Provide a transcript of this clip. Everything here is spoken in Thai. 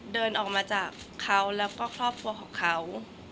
เดินออกมาจากเขาแล้วก็ครอบครัวของเขา